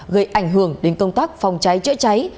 gây ảnh hưởng đến công tác phòng cháy chữa cháy